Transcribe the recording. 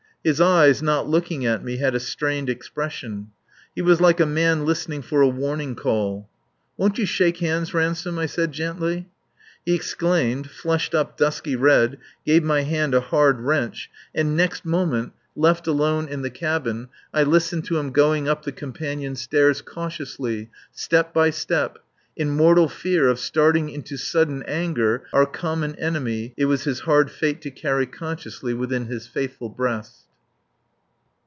His eyes not looking at me had a strained expression. He was like a man listening for a warning call. "Won't you shake hands, Ransome?" I said gently. He exclaimed, flushed up dusky red, gave my hand a hard wrench and next moment, left alone in the cabin, I listened to him going up the companion stairs cautiously, step by step, in mortal fear of starting into sudden anger our common enemy it was his hard fate to carry consciously within his faithful breast.